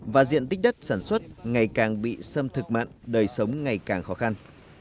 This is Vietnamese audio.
và diện tích đất sản xuất ngày càng bị sâm thực mặn đời sống ngày càng khó khăn